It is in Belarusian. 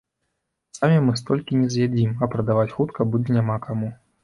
Самі мы столькі не з'ядзім, а прадаваць хутка будзе няма каму.